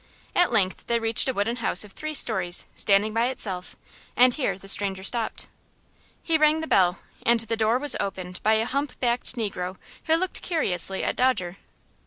At length they reached a wooden house of three stories, standing by itself, and here the stranger stopped. He rang the bell, and the door was opened by a hump backed negro, who looked curiously at Dodger.